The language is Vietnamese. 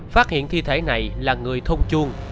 phát hiện thi thể này là người thôn chu